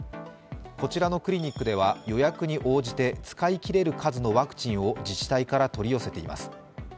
こちらのクリニックでは予約に応じて使い切れる数のワクチンを自治体から取り寄せています。